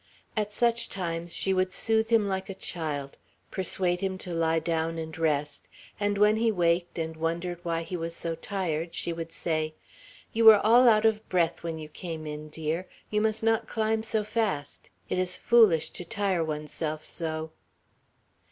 At such times she would soothe him like a child; persuade him to lie down and rest; and when he waked and wondered why he was so tired, she would say, "You were all out of breath when you came in, dear. You must not climb so fast; it is foolish to tire one's self so."